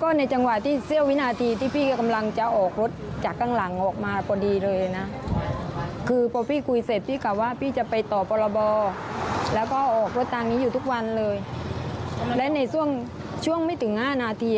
เขียนตายเลยก็ว่าได้นะ